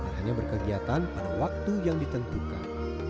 hanya berkegiatan pada waktu yang ditentukan